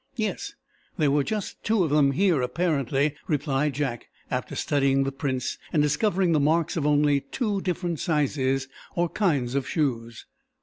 "Yes; there were just two of them here, apparently," replied Jack, after studying the prints, and discovering the marks of only two different sizes or kinds of shoes.